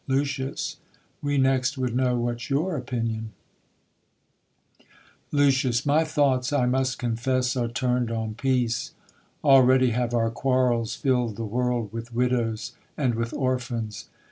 Lucius, we next would know what's your opinion ? Luc, My thoughts, I must confess, are turn'don peace. Already have our quarrels fill'd the world With widows, and with orphans.